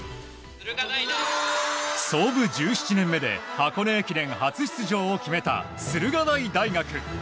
創部１７年目で箱根駅伝初出場を決めた駿河台大学。